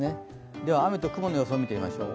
では、雨と雲の予想を見てみましょう。